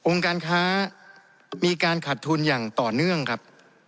การค้ามีการขัดทุนอย่างต่อเนื่องครับ